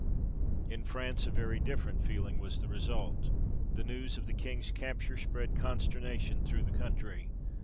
In France, a very different feeling was the result. The news of the king's capture spread consternation through the country.